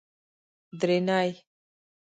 درېنۍ